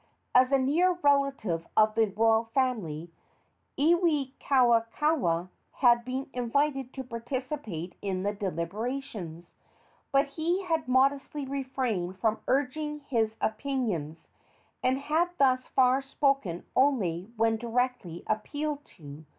As a near relative of the royal family, Iwikauikaua had been invited to participate in the deliberations, but he had modestly refrained from urging his opinions, and had thus far spoken only when directly appealed to.